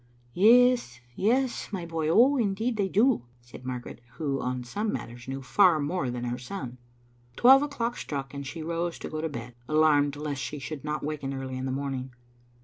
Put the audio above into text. "Yes, yes, my boy — oh, indeed, they do," said Mar garet, who on some matters knew far more than her son. Twelve o'clock struck, and she rose to go to bed, alarmed lest she should not waken early in the morn ing.